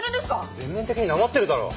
⁉全面的になまってるだろう。